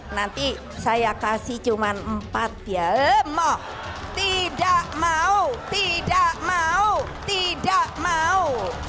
nanti saya kasih cuma empat ya lemoh tidak mau tidak mau tidak mau